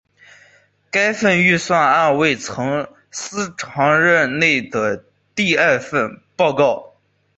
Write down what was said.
该份预算案为曾司长任内的第二份报告。